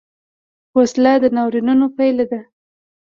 وسله د ناورینونو پیل ده